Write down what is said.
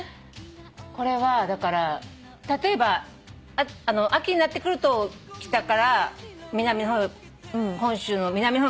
これはだから例えば秋になってくると北から本州の南の方へ来て。